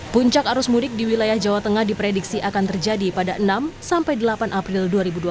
puncak arus mudik di wilayah jawa tengah diprediksi akan terjadi pada enam sampai delapan april dua ribu dua puluh